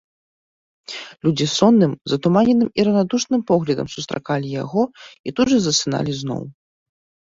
Людзі сонным, затуманеным і раўнадушным поглядам сустракалі яго і тут жа засыналі зноў.